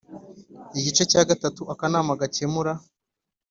Igice cya gatatu Akanama gakemura